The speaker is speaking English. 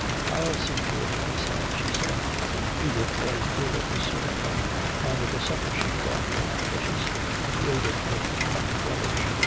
"I'll see to it myself," she said. Edith was good at this sort of thing, and the supper she brought was delicious. He ate it with keen relish.